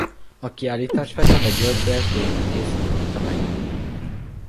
A kiállítást Fekete György belsőépítész nyitotta meg.